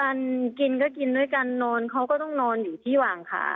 กินก็กินด้วยกันนอนเขาก็ต้องนอนอยู่ที่วางขา